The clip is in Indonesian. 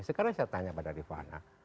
sekarang saya tanya pada rifana